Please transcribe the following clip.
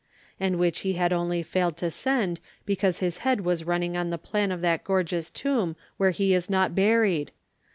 and which he had only failed to send because his head was running on the plan of that gorgeous tomb where he is not buried!